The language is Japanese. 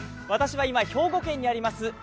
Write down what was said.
私は今、兵庫県にあります